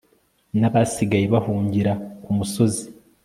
n'abasigaye bahungira ku musozi